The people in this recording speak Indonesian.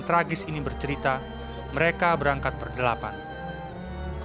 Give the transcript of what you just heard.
pertanyaannya sih pamit sama orang tuanya terus berangkatnya sama teman teman